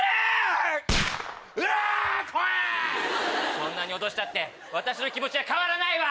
そんなに脅したって私の気持ちは変わらないわ！